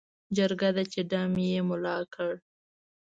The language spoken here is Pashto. جرګه ده چې ډم یې ملا کړ.